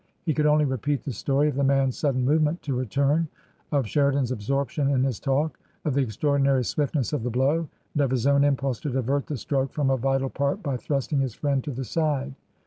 He could only repeat the story of the man*s sudden move ment to return, of Sheridan's absorption in his talk, of the extraordinary swiftness of the blow, and of his own impulse to divert the stroke from a vital part by thrust ing his friend to the side.